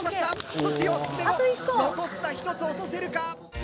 そして４つ目も残った１つを落とせるか。